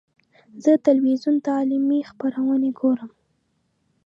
زه د ټلویزیون تعلیمي خپرونې ګورم.